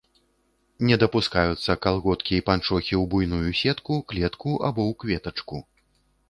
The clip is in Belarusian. Не дапускаюцца калготкі і панчохі ў буйную сетку, клетку або ў кветачку.